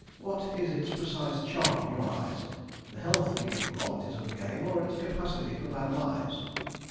What is its precise charm in your eyes, the health giving qualities of the game or its capacity for bad lies?"